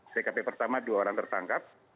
tkp pertama dua orang tertangkap